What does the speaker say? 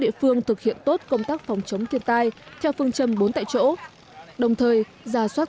địa phương thực hiện tốt công tác phòng chống thiên tai theo phương châm bốn tại chỗ đồng thời giả soát